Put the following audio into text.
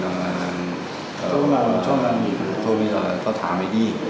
thế thì một vòng một lúc xong tôi mệt mệt xong rồi là thôi bây giờ tao thả mày đi